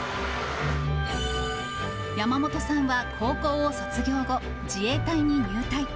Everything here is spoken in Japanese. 山本さんは高校を卒業後、自衛隊に入隊。